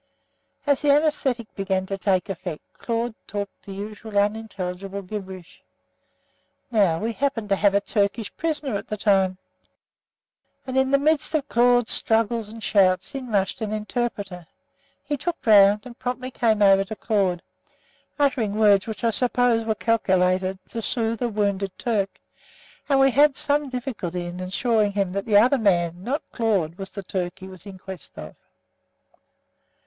As the anæsthetic began to take effect, Claude talked the usual unintelligible gibberish. Now, we happened to have a Turkish prisoner at the time, and in the midst of Claude's struggles and shouts in rushed an interpreter. He looked round, and promptly came over to Claude, uttering words which I suppose were calculated to soothe a wounded Turk; and we had some difficulty in assuring him that the other man, not Claude, was the Turk he was in quest of.